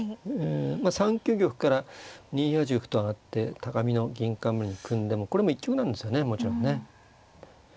３九玉から２八玉と上がって高美濃銀冠に組んでもこれも一局なんですよねもちろんね。